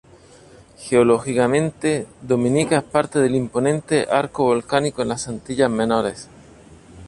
Geológicamente, Dominica es parte del imponente arco volcánico de las Antillas Menores.